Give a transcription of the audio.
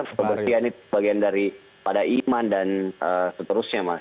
sebesian bagian dari pada iman dan seterusnya